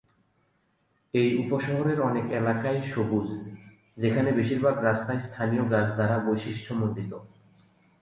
এই উপশহরের অনেক এলাকাই সবুজ, যেখানে বেশিরভাগ রাস্তাই স্থানীয় গাছ দ্বারা বৈশিষ্ট্যমণ্ডিত।